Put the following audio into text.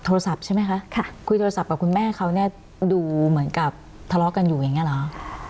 ใช่ไหมคะค่ะคุยโทรศัพท์กับคุณแม่เขาเนี่ยดูเหมือนกับทะเลาะกันอยู่อย่างเงี้เหรอ